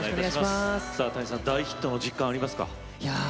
大ヒットの実感はありますか。